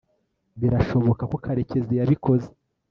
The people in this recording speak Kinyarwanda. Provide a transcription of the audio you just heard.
birashoboka ko karekezi yabikoze